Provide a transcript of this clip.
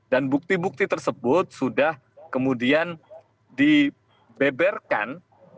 dan bukti bukti tersebut sudah kemudian dibeberkan